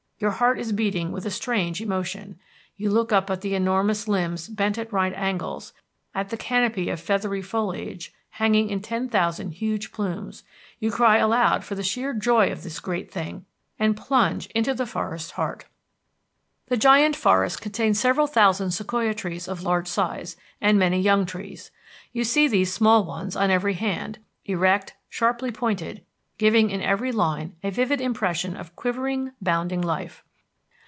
Your heart is beating with a strange emotion. You look up at the enormous limbs bent at right angles, at the canopy of feathery foliage hanging in ten thousand huge plumes. You cry aloud for the sheer joy of this great thing, and plunge into the forest's heart. The Giant Forest contains several thousand sequoia trees of large size, and many young trees. You see these small ones on every hand, erect, sharply pointed, giving in every line a vivid impression of quivering, bounding life.